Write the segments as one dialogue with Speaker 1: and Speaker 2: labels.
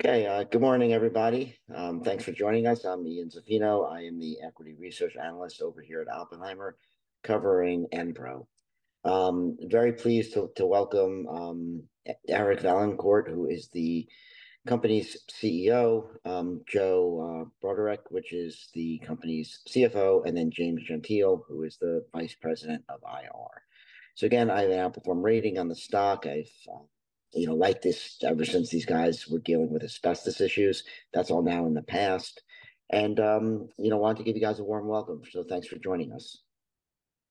Speaker 1: Okay, good morning, everybody. Thanks for joining us. I'm Ian Zaffino. I am the equity research analyst over here at Oppenheimer, covering Enpro. Very pleased to welcome Eric Vaillancourt, who is the company's CEO, Joe Bruderek, who is the company's CFO, and then James Gentile, who is the vice president of IR. So again, I have an outperform rating on the stock. I've, you know, liked this ever since these guys were dealing with asbestos issues. That's all now in the past. You know, wanted to give you guys a warm welcome. So thanks for joining us.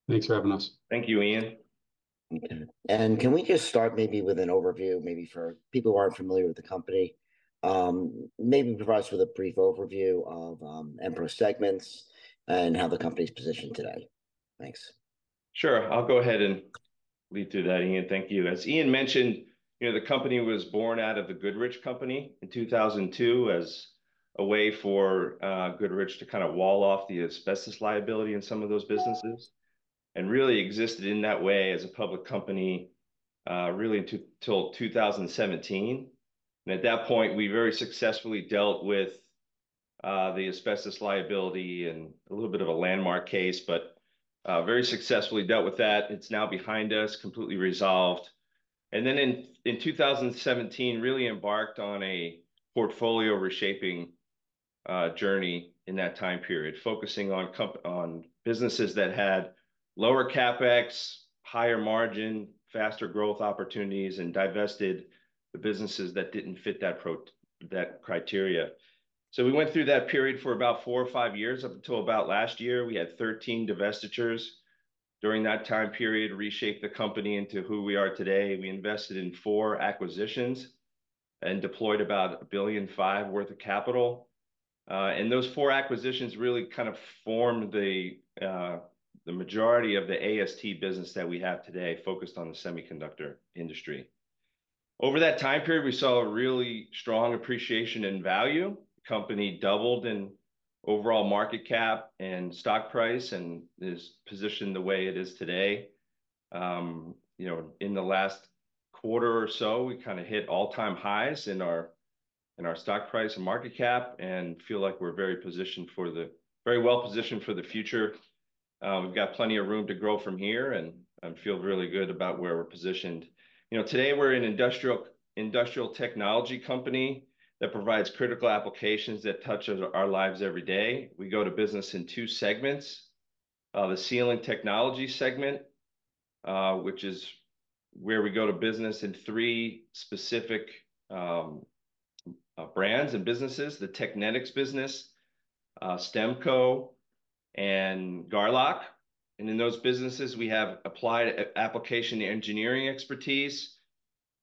Speaker 2: Thanks for having us.
Speaker 3: Thank you, Ian.
Speaker 1: Okay. And can we just start maybe with an overview, maybe for people who aren't familiar with the company, maybe provide us with a brief overview of Enpro's segments and how the company's positioned today? Thanks.
Speaker 3: Sure. I'll go ahead and lead through that, Ian. Thank you. As Ian mentioned, you know, the company was born out of the Goodrich Corporation in 2002 as a way for Goodrich to kind of wall off the asbestos liability in some of those businesses and really existed in that way as a public company, really until 2017. And at that point, we very successfully dealt with the asbestos liability and a little bit of a landmark case, but very successfully dealt with that. It's now behind us, completely resolved. And then in 2017, really embarked on a portfolio reshaping journey in that time period, focusing on companies that had lower CapEx, higher margin, faster growth opportunities, and divested the businesses that didn't fit that criteria. So we went through that period for about four or five years. Up until about last year, we had 13 divestitures. During that time period, reshaped the company into who we are today. We invested in four acquisitions and deployed about $1.5 billion worth of capital. And those four acquisitions really kind of formed the, the majority of the AST business that we have today, focused on the semiconductor industry. Over that time period, we saw a really strong appreciation in value. The company doubled in overall market cap and stock price and is positioned the way it is today. You know, in the last quarter or so, we kind of hit all-time highs in our in our stock price and market cap and feel like we're very positioned for the very well positioned for the future. We've got plenty of room to grow from here, and I'm feeling really good about where we're positioned. You know, today we're an industrial industrial technology company that provides critical applications that touch our lives every day. We do business in two segments. The Sealing Technology segment, which is where we do business in three specific brands and businesses: the Technetics business, Stemco, and Garlock. And in those businesses, we have application engineering expertise,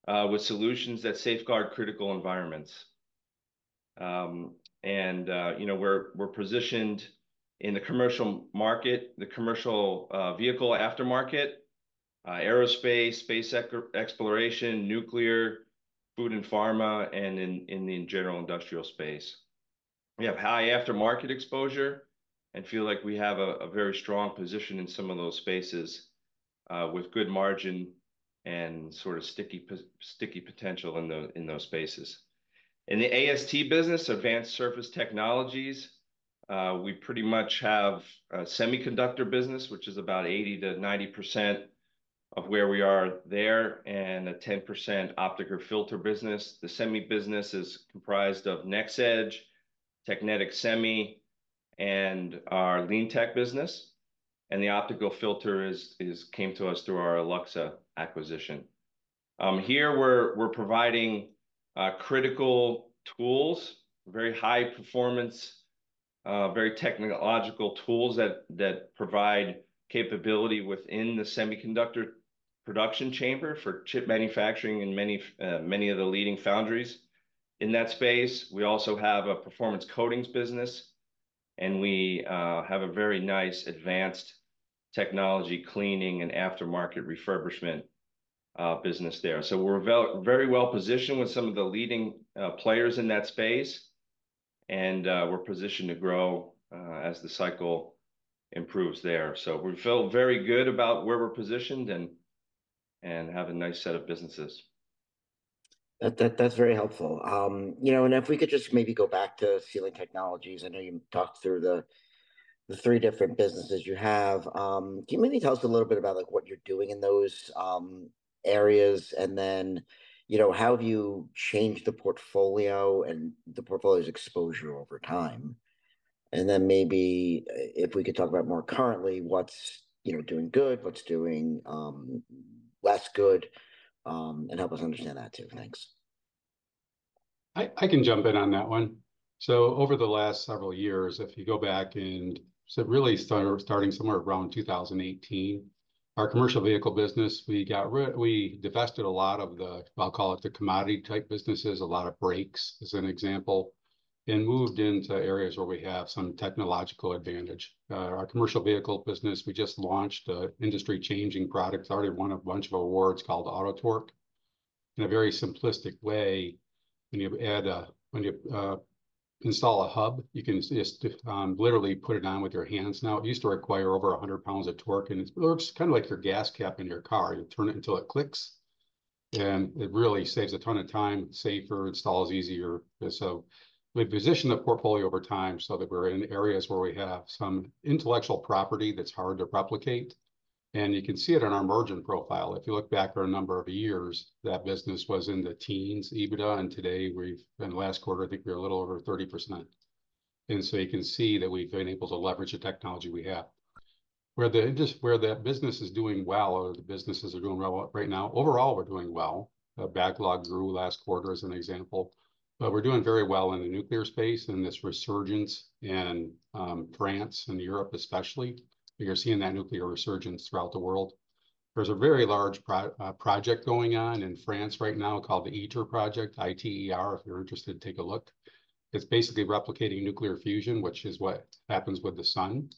Speaker 3: with solutions that safeguard critical environments. And, you know, we're positioned in the commercial vehicle aftermarket, aerospace, space exploration, nuclear, food and pharma, and in the general industrial space. We have high aftermarket exposure and feel like we have a very strong position in some of those spaces, with good margin and sort of sticky potential in those spaces. In the AST business, Advanced Surface Technologies, we pretty much have a semiconductor business, which is about 80%-90% of where we are there, and a 10% optical filter business. The semi business is comprised of NxEdge, Technetics Semi, and our LeanTeq business. And the optical filter business came to us through our Alluxa acquisition. Here we're providing critical tools, very high performance, very technological tools that provide capability within the semiconductor production chamber for chip manufacturing in many, many of the leading foundries in that space. We also have a performance coatings business, and we have a very nice advanced technology cleaning and aftermarket refurbishment business there. So we're very well positioned with some of the leading players in that space, and we're positioned to grow, as the cycle improves there. So we feel very good about where we're positioned and have a nice set of businesses.
Speaker 1: That, that's very helpful. You know, and if we could just maybe go back to Sealing Technologies, I know you talked through the three different businesses you have. Can you maybe tell us a little bit about, like, what you're doing in those areas, and then, you know, how have you changed the portfolio and the portfolio's exposure over time? And then maybe if we could talk about more currently, what's, you know, doing good, what's doing less good, and help us understand that too. Thanks.
Speaker 2: I can jump in on that one. So over the last several years, if you go back, it really started somewhere around 2018, our commercial vehicle business, we divested a lot of the, I'll call it the commodity-type businesses, a lot of brakes as an example, and moved into areas where we have some technological advantage. Our commercial vehicle business, we just launched an industry-changing product, already won a bunch of awards called Auto-Torque. In a very simplistic way, when you install a hub, you can just literally put it on with your hands. Now, it used to require over 100 pounds of torque, and it works kind of like your gas cap in your car. You turn it until it clicks, and it really saves a ton of time, safer, installs easier. So we've positioned the portfolio over time so that we're in areas where we have some intellectual property that's hard to replicate. And you can see it on our margin profile. If you look back for a number of years, that business was in the teens, EBITDA, and today we've in the last quarter, I think we're a little over 30%. And so you can see that we've been able to leverage the technology we have. Where the interest where that business is doing well, or the businesses are doing well right now, overall we're doing well. Backlog grew last quarter as an example, but we're doing very well in the nuclear space and this resurgence in France and Europe especially. You're seeing that nuclear resurgence throughout the world. There's a very large ITER project going on in France right now called the ITER project, I-T-E-R, if you're interested, take a look. It's basically replicating nuclear fusion, which is what happens with the sun.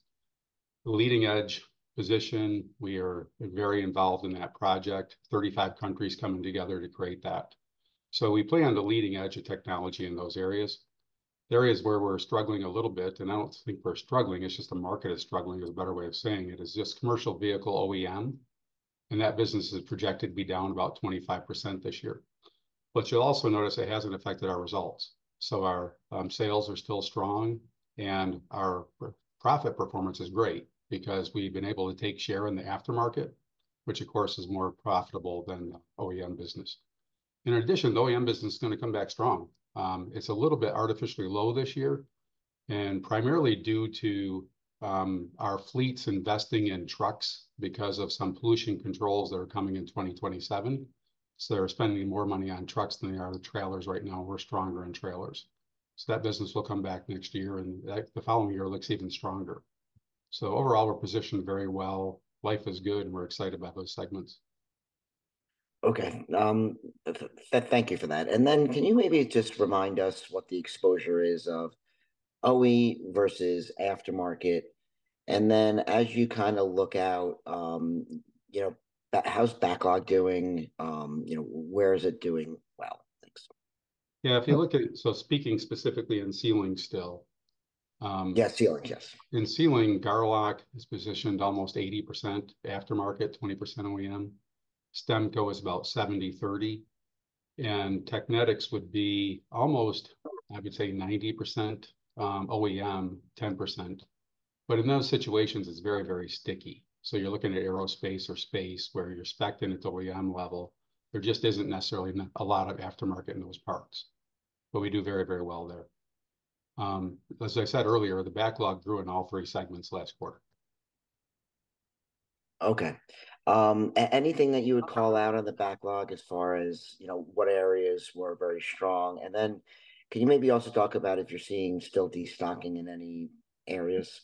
Speaker 2: Leading edge position. We are very involved in that project. 35 countries coming together to create that. So we play on the leading edge of technology in those areas. Areas where we're struggling a little bit, and I don't think we're struggling, it's just the market is struggling is a better way of saying it, is just commercial vehicle OEM. And that business is projected to be down about 25% this year. What you'll also notice, it hasn't affected our results. So our sales are still strong, and our profit performance is great because we've been able to take share in the aftermarket, which of course is more profitable than the OEM business. In addition, the OEM business is going to come back strong. It's a little bit artificially low this year and primarily due to, our fleets investing in trucks because of some pollution controls that are coming in 2027. So they're spending more money on trucks than they are on trailers right now. We're stronger in trailers. So that business will come back next year, and that the following year looks even stronger. So overall, we're positioned very well. Life is good, and we're excited about those segments.
Speaker 1: Okay. Thank you for that. And then can you maybe just remind us what the exposure is of OE versus aftermarket? And then as you kind of look out, you know, how's backlog doing? You know, where is it doing well? Thanks.
Speaker 2: Yeah. If you look at, so speaking specifically in sealing still,
Speaker 1: Yeah, sealing, yes.
Speaker 2: In sealing, Garlock is positioned almost 80% aftermarket, 20% OEM. Stemco is about 70/30. And Technetics would be almost, I would say, 90% OEM, 10%. But in those situations, it's very, very sticky. So you're looking at aerospace or space where you're spec'd in at OEM level. There just isn't necessarily a lot of aftermarket in those parts. But we do very, very well there. As I said earlier, the backlog grew in all three segments last quarter.
Speaker 1: Okay. Anything that you would call out on the backlog as far as, you know, what areas were very strong? And then can you maybe also talk about if you're seeing still destocking in any areas?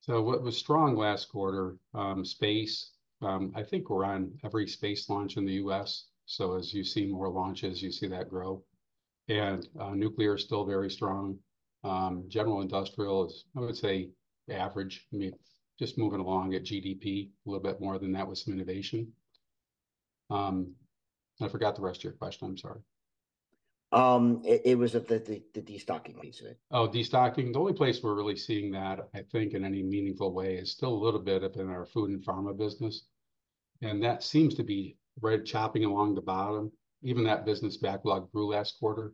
Speaker 2: So what was strong last quarter, space. I think we're on every space launch in the U.S. So as you see more launches, you see that grow. And nuclear is still very strong. General industrial is, I would say, average. I mean, just moving along at GDP, a little bit more than that with some innovation. I forgot the rest of your question. I'm sorry.
Speaker 1: It was at the destocking piece of it.
Speaker 2: Oh, destocking. The only place we're really seeing that, I think, in any meaningful way is still a little bit up in our food and pharma business. That seems to be just chopping along the bottom. Even that business backlog grew last quarter,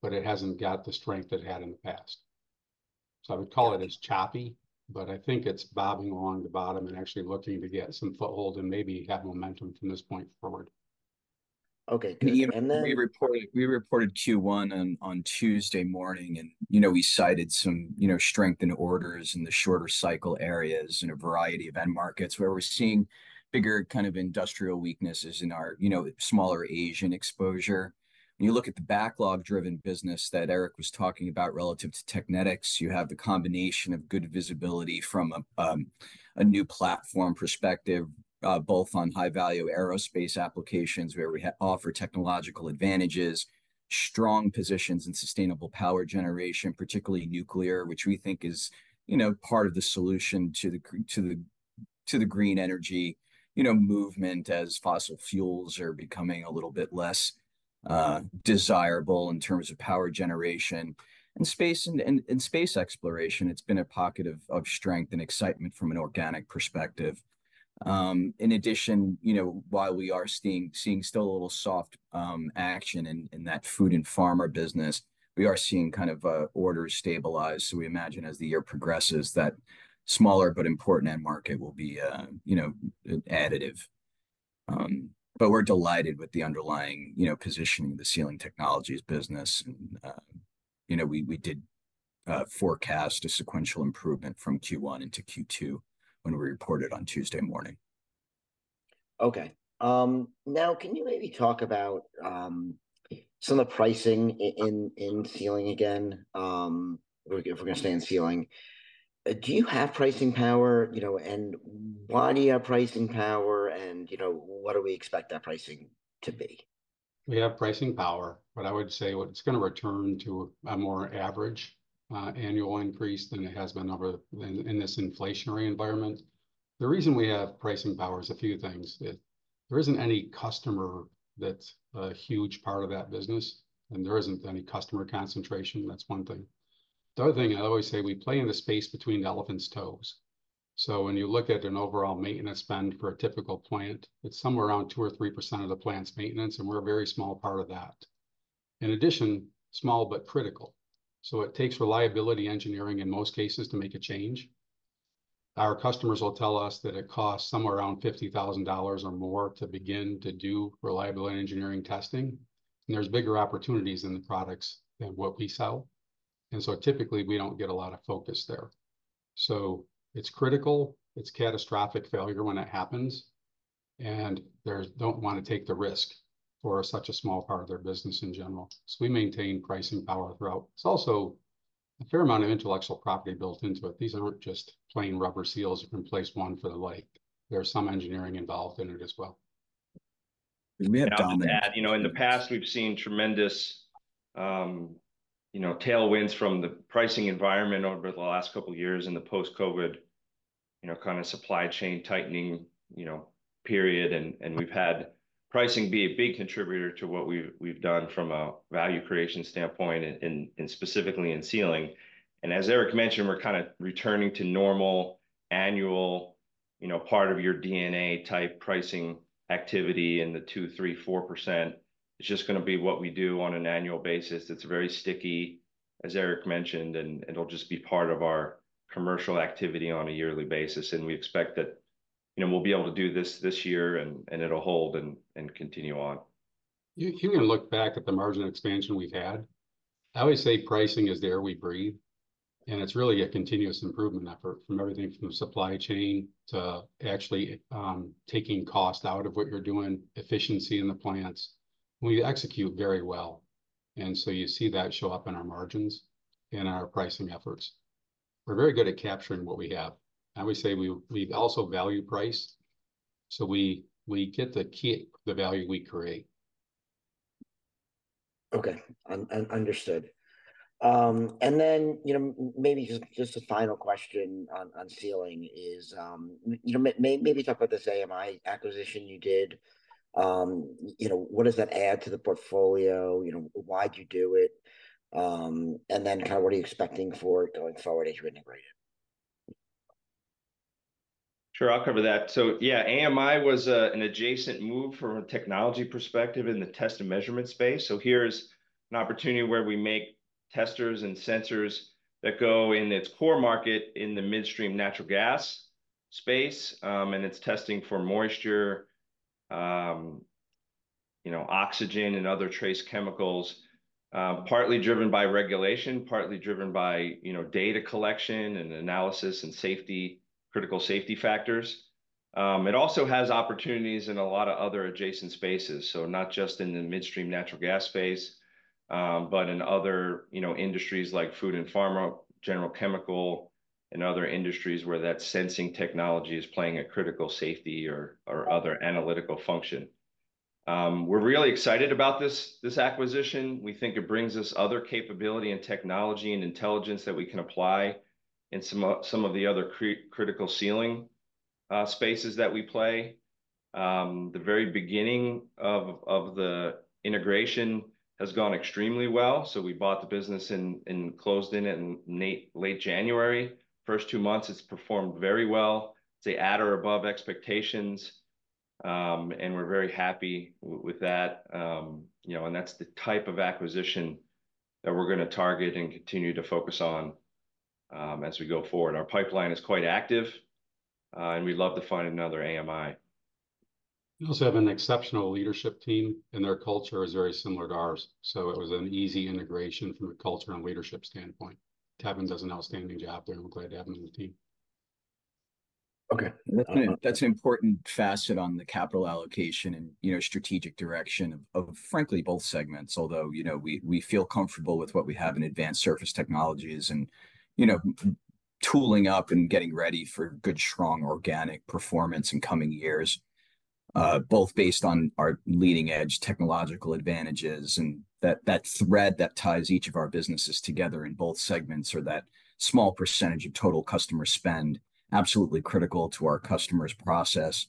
Speaker 2: but it hasn't got the strength it had in the past. So I would call it as choppy, but I think it's bobbing along the bottom and actually looking to get some foothold and maybe have momentum from this point forward.
Speaker 1: Okay. Can you and then.
Speaker 3: We reported Q1 on Tuesday morning, and you know, we cited some you know, strengthened orders in the shorter cycle areas and a variety of end markets where we're seeing bigger kind of industrial weaknesses in our you know, smaller Asian exposure. When you look at the backlog-driven business that Eric was talking about relative to Technetics, you have the combination of good visibility from a new platform perspective, both on high-value aerospace applications where we have to offer technological advantages, strong positions in sustainable power generation, particularly nuclear, which we think is you know, part of the solution to the green energy you know, movement as fossil fuels are becoming a little bit less desirable in terms of power generation and space exploration. It's been a pocket of strength and excitement from an organic perspective. In addition, you know, while we are seeing still a little soft action in that food and pharma business, we are seeing kind of orders stabilize. So we imagine as the year progresses that smaller but important end market will be, you know, additive. But we're delighted with the underlying, you know, positioning of the Sealing Technologies business. And, you know, we did forecast a sequential improvement from Q1 into Q2 when we reported on Tuesday morning.
Speaker 1: Okay. Now can you maybe talk about some of the pricing in sealing again? If we're going to stay in sealing, do you have pricing power, you know, and why do you have pricing power? And, you know, what do we expect that pricing to be?
Speaker 2: We have pricing power, but I would say what it's going to return to a more average, annual increase than it has been over in this inflationary environment. The reason we have pricing power is a few things. There isn't any customer that's a huge part of that business, and there isn't any customer concentration. That's one thing. The other thing I always say, we play in the space between elephants' toes. So when you look at an overall maintenance spend for a typical plant, it's somewhere around 2%-3% of the plant's maintenance, and we're a very small part of that. In addition, small but critical. So it takes reliability engineering in most cases to make a change. Our customers will tell us that it costs somewhere around $50,000 or more to begin to do reliable engineering testing, and there's bigger opportunities in the products than what we sell. And so typically, we don't get a lot of focus there. So it's critical. It's catastrophic failure when it happens, and they don't want to take the risk for such a small part of their business in general. So we maintain pricing power throughout. It's also a fair amount of intellectual property built into it. These aren't just plain rubber seals. You can place one for the leak. There's some engineering involved in it as well.
Speaker 3: We have down.
Speaker 4: I would add, you know, in the past, we've seen tremendous, you know, tailwinds from the pricing environment over the last couple of years in the post-COVID, you know, kind of supply chain tightening, you know, period. And we've had pricing be a big contributor to what we've done from a value creation standpoint and specifically in sealing. And as Eric mentioned, we're kind of returning to normal annual, you know, part of your DNA-type pricing activity in the 2%-4%. It's just going to be what we do on an annual basis. It's very sticky, as Eric mentioned, and it'll just be part of our commercial activity on a yearly basis. And we expect that, you know, we'll be able to do this this year, and it'll hold and continue on.
Speaker 2: You can look back at the margin expansion we've had. I always say pricing is there we breathe, and it's really a continuous improvement effort from everything from the supply chain to actually taking cost out of what you're doing, efficiency in the plants. We execute very well. And so you see that show up in our margins and in our pricing efforts. We're very good at capturing what we have. I always say we also value price. So we get the key the value we create.
Speaker 1: Okay. Understood. And then, you know, maybe just, just a final question on, on sealing is, you know, maybe talk about this AMI acquisition you did. You know, what does that add to the portfolio? You know, why'd you do it? And then kind of what are you expecting for it going forward as you integrate it?
Speaker 4: Sure. I'll cover that. So yeah, AMI was an adjacent move from a technology perspective in the test and measurement space. So here's an opportunity where we make testers and sensors that go in its core market in the midstream natural gas space. And it's testing for moisture, you know, oxygen and other trace chemicals, partly driven by regulation, partly driven by, you know, data collection and analysis and safety, critical safety factors. It also has opportunities in a lot of other adjacent spaces, so not just in the midstream natural gas space, but in other, you know, industries like food and pharma, general chemical, and other industries where that sensing technology is playing a critical safety or other analytical function. We're really excited about this, this acquisition. We think it brings us other capability and technology and intelligence that we can apply in some of the other critical sealing spaces that we play. The very beginning of the integration has gone extremely well. So we bought the business and closed on it in late January. First two months, it's performed very well. It's ahead of expectations. And we're very happy with that. You know, and that's the type of acquisition that we're going to target and continue to focus on, as we go forward. Our pipeline is quite active, and we'd love to find another AMI.
Speaker 2: We also have an exceptional leadership team, and their culture is very similar to ours. So it was an easy integration from a culture and leadership standpoint. Tavin does an outstanding job there, and we're glad to have him on the team.
Speaker 3: Okay. That's an important facet on the capital allocation and, you know, strategic direction of, frankly, both segments, although, you know, we feel comfortable with what we have in Advanced Surface Technologies and, you know, tooling up and getting ready for good, strong organic performance in coming years, both based on our leading edge technological advantages and that thread that ties each of our businesses together in both segments or that small percentage of total customer spend, absolutely critical to our customers' process.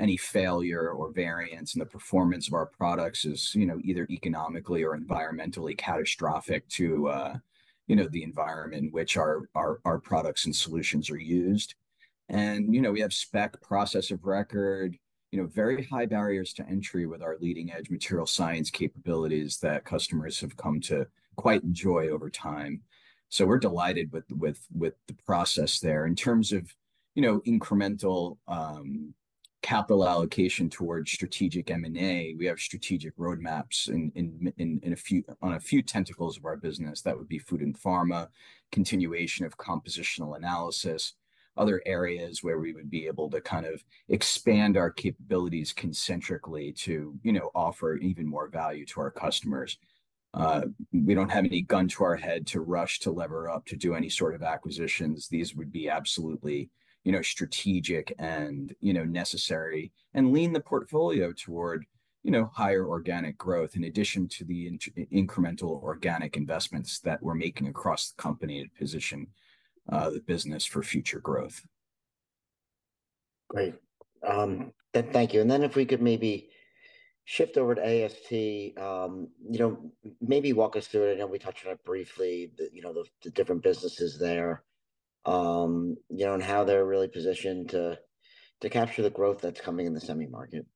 Speaker 3: Any failure or variance in the performance of our products is, you know, either economically or environmentally catastrophic to, you know, the environment in which our products and solutions are used. You know, we have spec process of record, you know, very high barriers to entry with our leading edge material science capabilities that customers have come to quite enjoy over time. So we're delighted with the process there in terms of, you know, incremental capital allocation towards strategic M&A. We have strategic roadmaps in a few tentacles of our business. That would be food and pharma, continuation of compositional analysis, other areas where we would be able to kind of expand our capabilities concentrically to, you know, offer even more value to our customers. We don't have any gun to our head to rush to lever up to do any sort of acquisitions. These would be absolutely, you know, strategic and, you know, necessary and lean the portfolio toward, you know, higher organic growth in addition to the incremental organic investments that we're making across the company to position the business for future growth.
Speaker 1: Great. Thank you. And then if we could maybe shift over to AST, you know, maybe walk us through it. I know we touched on it briefly, the you know, the different businesses there, you know, and how they're really positioned to capture the growth that's coming in the semi-market.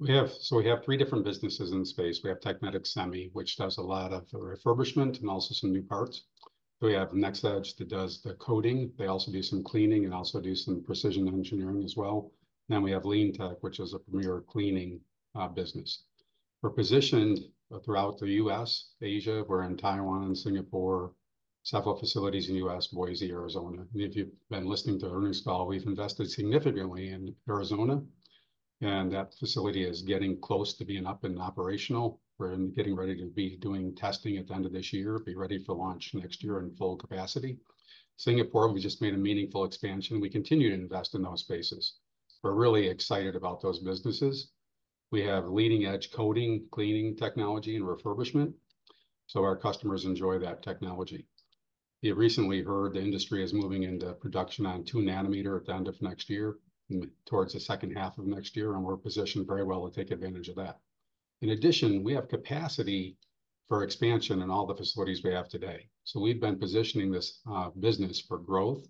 Speaker 2: We have so we have three different businesses in the space. We have Technetics Semi, which does a lot of the refurbishment and also some new parts. We have NxEdge that does the coating. They also do some cleaning and also do some precision engineering as well. Then we have LeanTeq, which is a premier cleaning business. We're positioned throughout the U.S., Asia. We're in Taiwan and Singapore, several facilities in the U.S., Boise, Arizona. And if you've been listening to earnings call, we've invested significantly in Arizona, and that facility is getting close to being up and operational. We're getting ready to be doing testing at the end of this year, be ready for launch next year in full capacity. Singapore, we just made a meaningful expansion. We continue to invest in those spaces. We're really excited about those businesses. We have leading edge coating, cleaning technology, and refurbishment. So our customers enjoy that technology. You've recently heard the industry is moving into production on 2 nanometer at the end of next year, towards the second half of next year, and we're positioned very well to take advantage of that. In addition, we have capacity for expansion in all the facilities we have today. So we've been positioning this business for growth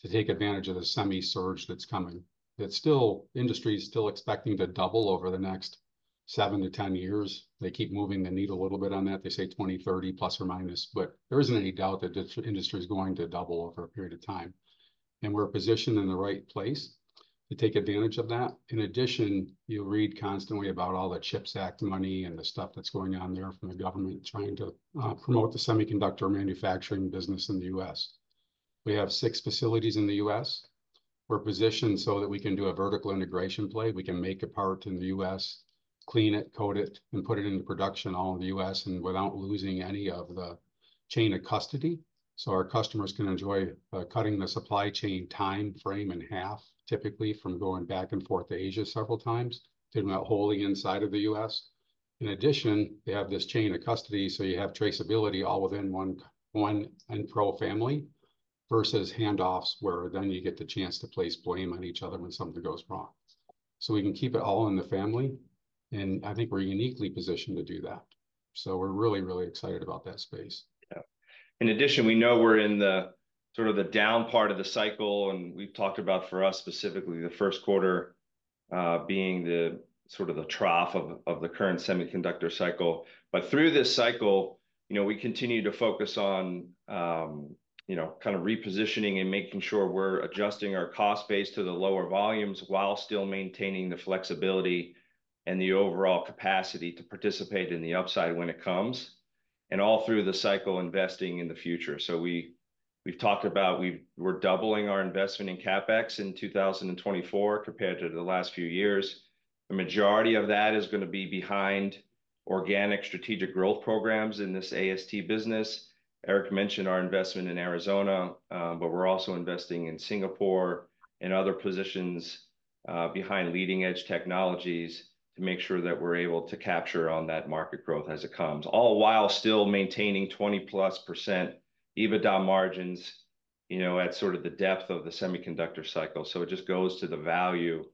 Speaker 2: to take advantage of the semi-surge that's coming. It's still industry's still expecting to double over the next 7-10 years. They keep moving the needle a little bit on that. They say 2030 plus or minus, but there isn't any doubt that the industry's going to double over a period of time. And we're positioned in the right place to take advantage of that. In addition, you read constantly about all the CHIPS Act money and the stuff that's going on there from the government trying to promote the semiconductor manufacturing business in the U.S. We have six facilities in the U.S. We're positioned so that we can do a vertical integration play. We can make a part in the U.S., clean it, coat it, and put it into production all in the U.S. and without losing any of the chain of custody. So our customers can enjoy cutting the supply chain time frame in half, typically from going back and forth to Asia several times to that wholly inside of the U.S. In addition, they have this chain of custody. So you have traceability all within one Enpro family versus handoffs where then you get the chance to place blame on each other when something goes wrong. So we can keep it all in the family. And I think we're uniquely positioned to do that. So we're really, really excited about that space.
Speaker 4: Yeah. In addition, we know we're in sort of the down part of the cycle. We've talked about for us specifically the first quarter being sort of the trough of the current semiconductor cycle. But through this cycle, you know, we continue to focus on, you know, kind of repositioning and making sure we're adjusting our cost base to the lower volumes while still maintaining the flexibility and the overall capacity to participate in the upside when it comes, and all through the cycle investing in the future. So we've talked about we're doubling our investment in CapEx in 2024 compared to the last few years. The majority of that is going to be behind organic strategic growth programs in this AST business. Eric mentioned our investment in Arizona, but we're also investing in Singapore and other positions, behind leading edge technologies to make sure that we're able to capture on that market growth as it comes, all while still maintaining 20%+ EBITDA margins, you know, at sort of the depth of the semiconductor cycle. So it just goes to the value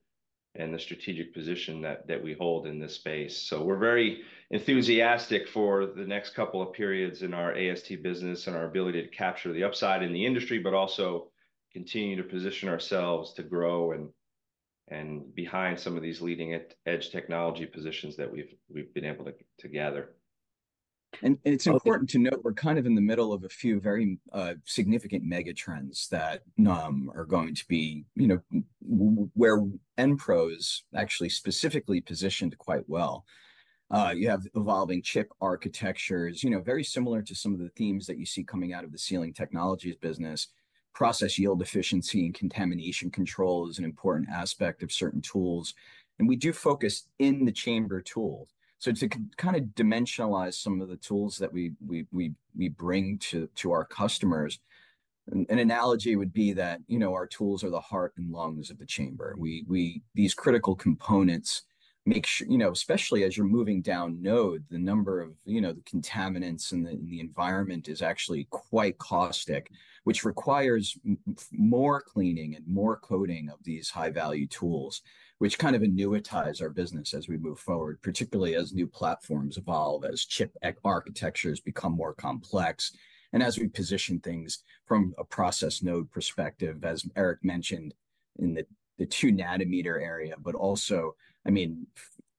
Speaker 4: and the strategic position that, that we hold in this space. So we're very enthusiastic for the next couple of periods in our AST business and our ability to capture the upside in the industry, but also continue to position ourselves to grow and, and behind some of these leading edge technology positions that we've, we've been able to, to gather.
Speaker 3: It's important to note we're kind of in the middle of a few very significant mega trends that are going to be, you know, where Enpro's actually specifically positioned quite well. You have evolving chip architectures, you know, very similar to some of the themes that you see coming out of the Sealing Technologies business. Process yield efficiency and contamination control is an important aspect of certain tools. And we do focus in the chamber tools. So to kind of dimensionalize some of the tools that we bring to our customers, an analogy would be that, you know, our tools are the heart and lungs of the chamber. We these critical components make sure, you know, especially as you're moving down node, the number of, you know, the contaminants in the environment is actually quite caustic, which requires more cleaning and more coating of these high-value tools, which kind of annuitize our business as we move forward, particularly as new platforms evolve, as chip architectures become more complex, and as we position things from a process node perspective, as Eric mentioned in the 2 nanometer area. But also, I mean,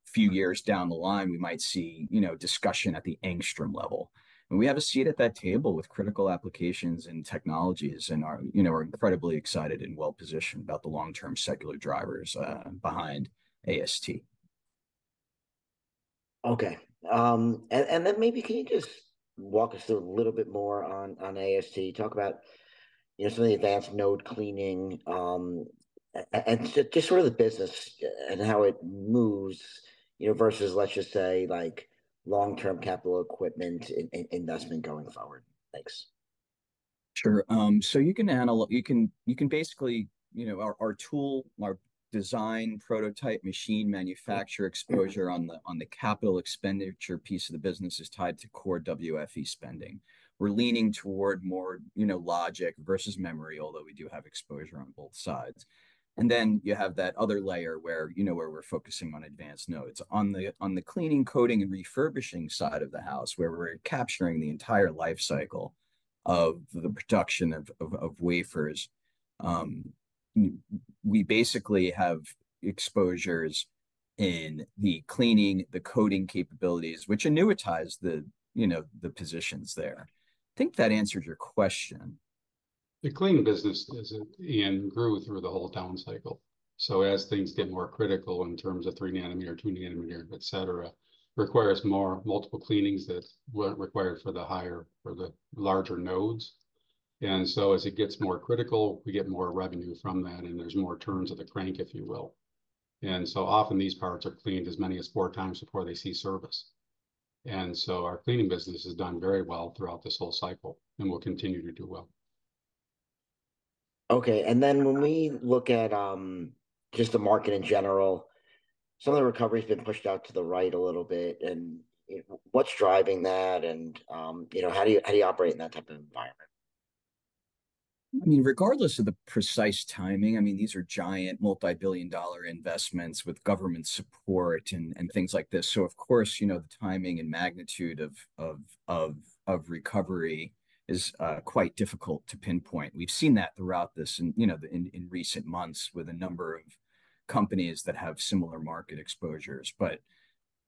Speaker 3: few years down the line, we might see, you know, discussion at the Angstrom level. And we have a seat at that table with critical applications and technologies and are, you know, are incredibly excited and well positioned about the long-term secular drivers behind AST.
Speaker 1: Okay. And then maybe can you just walk us through a little bit more on AST, talk about, you know, some of the advanced node cleaning, and just sort of the business and how it moves, you know, versus, let's just say, like, long-term capital equipment investment going forward? Thanks.
Speaker 3: Sure. So you can analyze basically, you know, our tool, our design prototype machine manufacturer exposure on the capital expenditure piece of the business is tied to core WFE spending. We're leaning toward more, you know, logic versus memory, although we do have exposure on both sides. And then you have that other layer where, you know, where we're focusing on advanced nodes on the cleaning, coating, and refurbishing side of the house, where we're capturing the entire life cycle of the production of wafers. We basically have exposures in the cleaning, the coating capabilities, which annuitize the, you know, the positions there. I think that answers your question.
Speaker 2: The cleaning business isn't and grew through the whole down cycle. So as things get more critical in terms of 3 nanometer, 2 nanometer, etc., requires more multiple cleanings that weren't required for the higher for the larger nodes. And so as it gets more critical, we get more revenue from that, and there's more turns of the crank, if you will. And so often these parts are cleaned as many as four times before they see service. And so our cleaning business has done very well throughout this whole cycle and will continue to do well.
Speaker 1: Okay. And then when we look at, just the market in general, some of the recovery's been pushed out to the right a little bit. And what's driving that? And, you know, how do you operate in that type of environment?
Speaker 3: I mean, regardless of the precise timing, I mean, these are giant multibillion-dollar investments with government support and things like this. So, of course, you know, the timing and magnitude of recovery is quite difficult to pinpoint. We've seen that throughout this and, you know, in recent months with a number of companies that have similar market exposures. But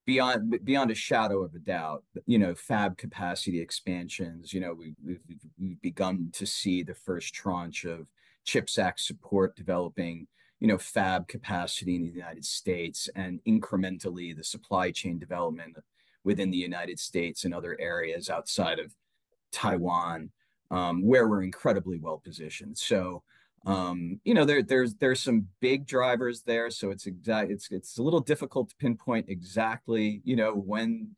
Speaker 3: beyond a shadow of a doubt, you know, fab capacity expansions, you know, we've begun to see the first tranche of CHIPS Act support developing, you know, fab capacity in the United States and incrementally the supply chain development within the United States and other areas outside of Taiwan, where we're incredibly well positioned. So, you know, there's some big drivers there. So it's exactly. It's a little difficult to pinpoint exactly, you know, when,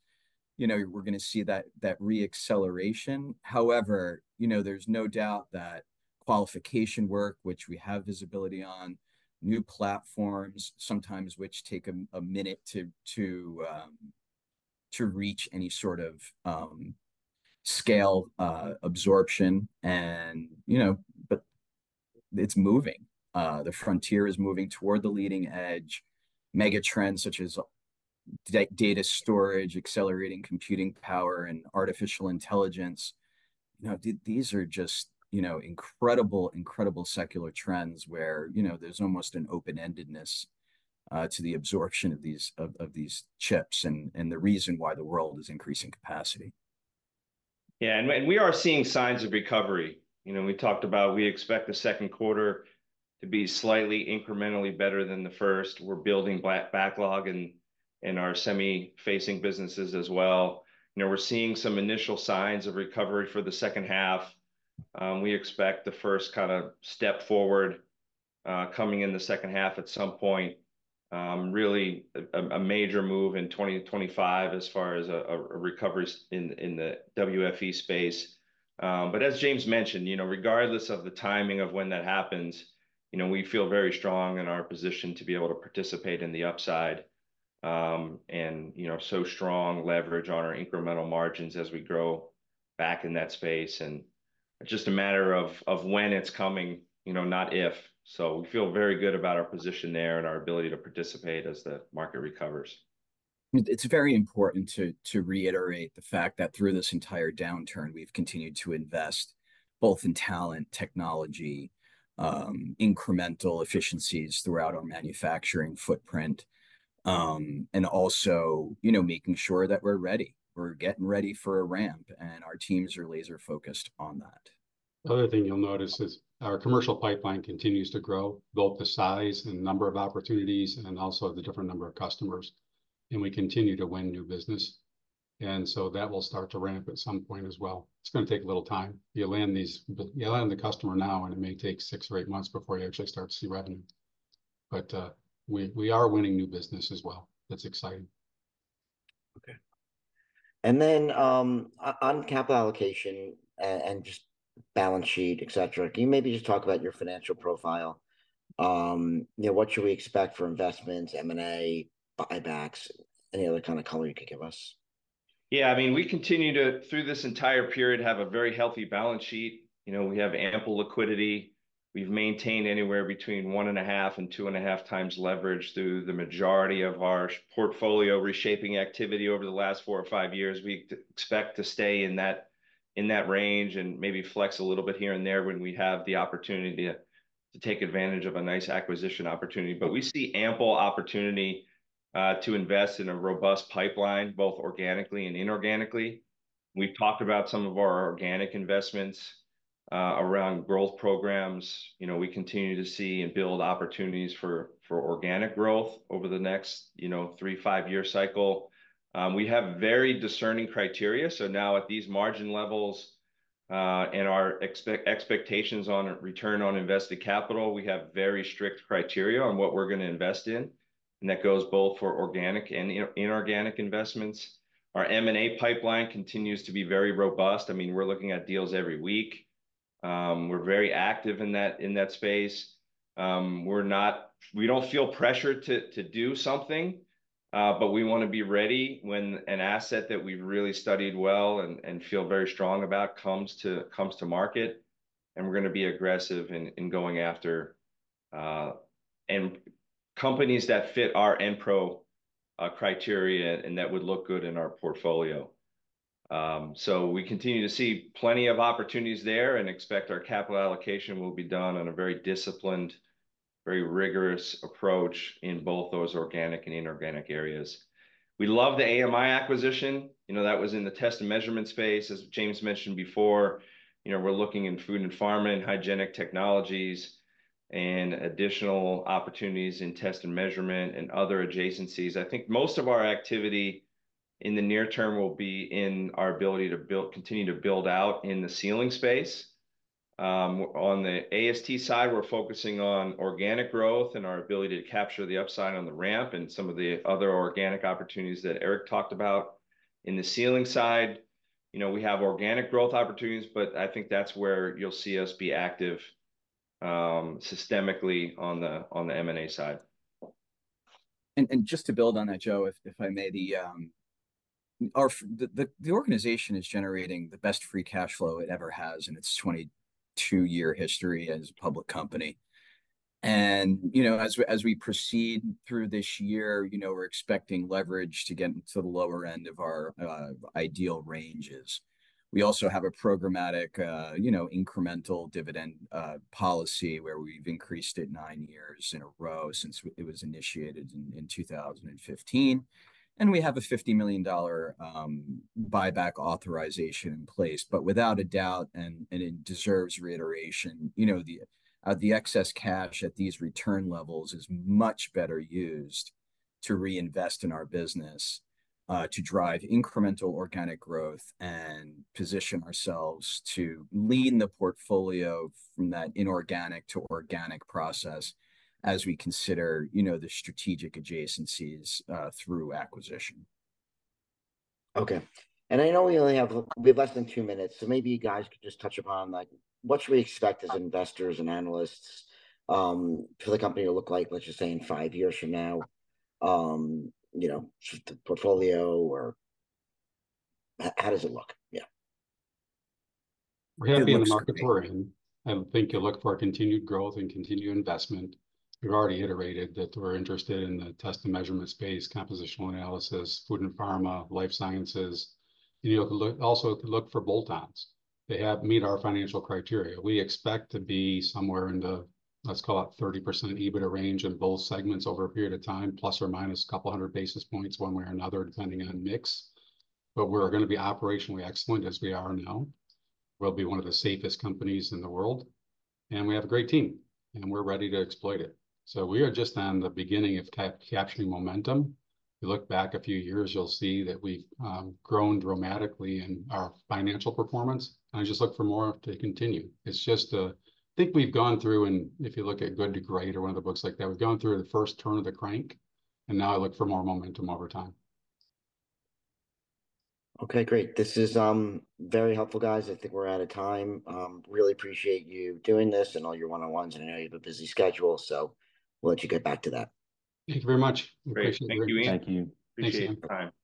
Speaker 3: you know, we're going to see that reacceleration. However, you know, there's no doubt that qualification work, which we have visibility on new platforms sometimes, which take a minute to reach any sort of scale, absorption. And, you know, but it's moving. The frontier is moving toward the leading edge mega trends such as data storage, accelerating computing power, and artificial intelligence. You know, these are just, you know, incredible, incredible secular trends where, you know, there's almost an open-endedness to the absorption of these chips and the reason why the world is increasing capacity.
Speaker 4: Yeah. And we are seeing signs of recovery. You know, we talked about we expect the second quarter to be slightly incrementally better than the first. We're building backlog in our semi-facing businesses as well. You know, we're seeing some initial signs of recovery for the second half. We expect the first kind of step forward, coming in the second half at some point, really a major move in 2025 as far as a recovery in the WFE space. But as James mentioned, you know, regardless of the timing of when that happens, you know, we feel very strong in our position to be able to participate in the upside. And, you know, so strong leverage on our incremental margins as we grow back in that space. And it's just a matter of when it's coming, you know, not if. We feel very good about our position there and our ability to participate as the market recovers.
Speaker 3: It's very important to reiterate the fact that through this entire downturn, we've continued to invest both in talent, technology, incremental efficiencies throughout our manufacturing footprint, and also, you know, making sure that we're ready. We're getting ready for a ramp, and our teams are laser-focused on that.
Speaker 2: The other thing you'll notice is our commercial pipeline continues to grow, both the size and number of opportunities and also the different number of customers. And we continue to win new business. And so that will start to ramp at some point as well. It's going to take a little time. You land these you land the customer now, and it may take 6 or 8 months before you actually start to see revenue. But, we are winning new business as well. That's exciting.
Speaker 1: Okay. And then, on capital allocation and just balance sheet, etc., can you maybe just talk about your financial profile? You know, what should we expect for investments, M&A, buybacks, any other kind of color you could give us?
Speaker 4: Yeah. I mean, we continue to through this entire period have a very healthy balance sheet. You know, we have ample liquidity. We've maintained anywhere between 1.5-2.5 times leverage through the majority of our portfolio reshaping activity over the last four or five years. We expect to stay in that range and maybe flex a little bit here and there when we have the opportunity to take advantage of a nice acquisition opportunity. But we see ample opportunity to invest in a robust pipeline, both organically and inorganically. We've talked about some of our organic investments around growth programs. You know, we continue to see and build opportunities for organic growth over the next, you know, three- to five-year cycle. We have very discerning criteria. So now at these margin levels, and our expectations on return on invested capital, we have very strict criteria on what we're going to invest in. And that goes both for organic and inorganic investments. Our M&A pipeline continues to be very robust. I mean, we're looking at deals every week. We're very active in that space. We're not, we don't feel pressure to do something, but we want to be ready when an asset that we've really studied well and feel very strong about comes to market, and we're going to be aggressive in going after companies that fit our Enpro criteria and that would look good in our portfolio. So we continue to see plenty of opportunities there and expect our capital allocation will be done on a very disciplined, very rigorous approach in both those organic and inorganic areas. We love the AMI acquisition. You know, that was in the test and measurement space. As James mentioned before, you know, we're looking in food and pharma, hygienic technologies, and additional opportunities in test and measurement and other adjacencies. I think most of our activity in the near term will be in our ability to build continue to build out in the sealing space. On the AST side, we're focusing on organic growth and our ability to capture the upside on the ramp and some of the other organic opportunities that Eric talked about in the sealing side. You know, we have organic growth opportunities, but I think that's where you'll see us be active, systematically on the M&A side.
Speaker 3: And just to build on that, Joe, if I may, our organization is generating the best free cash flow it ever has, and in its 22-year history as a public company. And, you know, as we proceed through this year, you know, we're expecting leverage to get into the lower end of our ideal ranges. We also have a programmatic, you know, incremental dividend policy where we've increased it nine years in a row since it was initiated in 2015. And we have a $50 million buyback authorization in place. But without a doubt, and it deserves reiteration, you know, the excess cash at these return levels is much better used to reinvest in our business, to drive incremental organic growth and position ourselves to lean the portfolio from that inorganic to organic process as we consider, you know, the strategic adjacencies, through acquisition.
Speaker 1: Okay. And I know we only have less than two minutes, so maybe you guys could just touch upon, like, what should we expect as investors and analysts, for the company to look like, let's just say, in five years from now? You know, the portfolio or how does it look? Yeah.
Speaker 2: We have to be in the market for it. I think you look for continued growth and continued investment. We've already iterated that we're interested in the test and measurement space, compositional analysis, food and pharma, life sciences. And you also look for bolt-ons that meet our financial criteria. We expect to be somewhere in the, let's call it, 30% EBITDA range in both segments over a period of time, ±200 basis points one way or another, depending on mix. But we're going to be operationally excellent as we are now. We'll be one of the safest companies in the world. And we have a great team, and we're ready to exploit it. So we are just on the beginning of capturing momentum. You look back a few years, you'll see that we've grown dramatically in our financial performance. And I just look for more to continue. It's just, I think we've gone through and if you look at Good to Great or one of the books like that, we've gone through the first turn of the crank, and now I look for more momentum over time.
Speaker 1: Okay, great. This is very helpful, guys. I think we're out of time. I really appreciate you doing this and all your one-on-ones. And I know you have a busy schedule, so we'll let you get back to that.
Speaker 2: Thank you very much. Appreciate it.
Speaker 4: Thank you. Thank you.
Speaker 1: Thanks, Sam.
Speaker 3: Thanks, Sam.